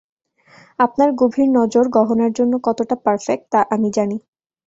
আপনার গভীর নজর গহনার জন্য কতটা পারফেক্ট, তা আমি জানি।